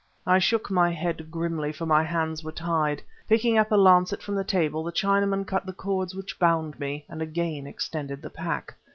I shook my head grimly, for my hands were tied. Picking up a lancet from the table, the Chinaman cut the cords which bound me, and again extended the pack.